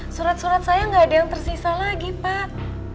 surat surat saya nggak ada yang tersisa lagi pak